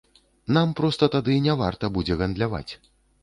Нам проста тады няварта будзе гандляваць.